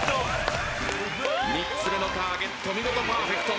３つ目のターゲット見事パーフェクト。